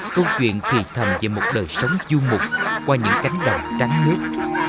câu chuyện thì thầm về một đời sống du mục qua những cánh đồng tránh nước